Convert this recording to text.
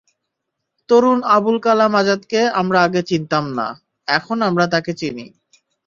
তরুণ আবুল কালাম আজাদকে আমরা আগে চিনতাম না, এখন আমরা তাঁকে চিনি।